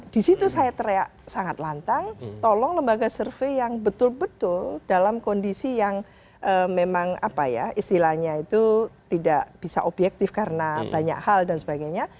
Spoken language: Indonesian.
di situ saya teriak sangat lantang tolong lembaga survei yang betul betul dalam kondisi yang memang apa ya istilahnya itu tidak bisa objektif karena banyak hal dan sebagainya